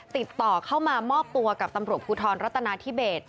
ติดต่อเข้ามามอบตัวกับตำรวจภูทรรัฐนาธิเบส